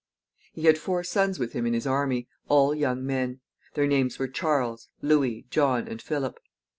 He had four sons with him in his army, all young men. Their names were Charles, Louis, John, and Philip.